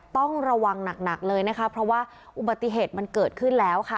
ต้องระวังหนักเลยนะคะเพราะว่าอุบัติเหตุมันเกิดขึ้นแล้วค่ะ